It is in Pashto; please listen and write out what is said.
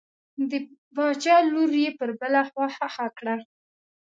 د باچا لور یې پر بله خوا ښخه کړه.